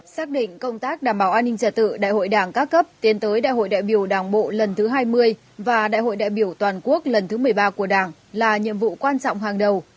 xác định công tác đảm bảo an ninh trả tự đại hội đảng các cấp tiến tới đại hội đại biểu đảng bộ lần thứ hai mươi và đại hội đại biểu toàn quốc lần thứ một mươi ba của đảng là nhiệm vụ quan trọng hàng đầu